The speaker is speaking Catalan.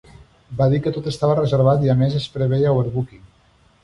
Va dir que tot estava reservat i a més es preveia overbooking.